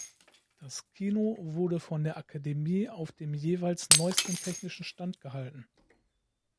Das Kino wurde von der Akademie auf dem jeweils neuesten technischen Stand gehalten.